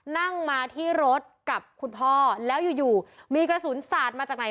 นั่งมาที่รถกับคุณพ่อแล้วอยู่มีกระสุนสาดมาจากไหน